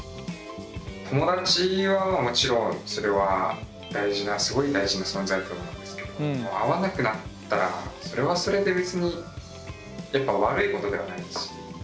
友達はもちろんそれは大事なすごい大事な存在だと思うんですけどもう合わなくなったらそれはそれで別にやっぱ悪いことではないし。